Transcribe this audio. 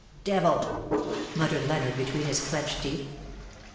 " Devil V muttered Leonard between his clenched teeth.